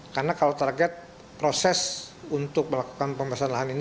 karena kalau target proses untuk melakukan pembebasan lahan ini